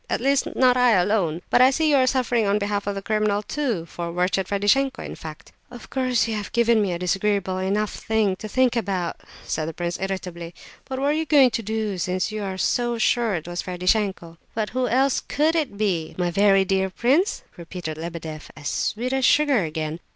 At least, not I alone. But I see you are suffering on behalf of the criminal too, for wretched Ferdishenko, in fact!" "Of course you have given me a disagreeable enough thing to think about," said the prince, irritably, "but what are you going to do, since you are so sure it was Ferdishenko?" "But who else could it be, my very dear prince?" repeated Lebedeff, as sweet as sugar again.